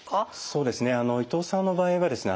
そうですね伊藤さんの場合はですね